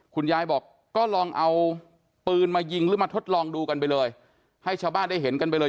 คุณยายบอกก็ลองเอาปืนมายิงหรือมาทดลองดูกันไปเลยให้ชาวบ้านได้เห็นกันไปเลย